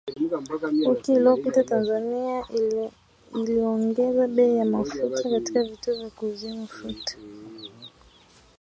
Wiki iliyopita Tanzania iliongeza bei ya mafuta katika vituo vya kuuzia mafuta